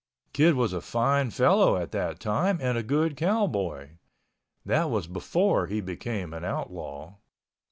Kid was a fine fellow at that time and a good cowboy—that was before he became an outlaw.